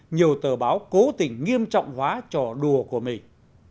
nhiều tờ báo cố tình nghiêm trọng hóa trò đùa của mình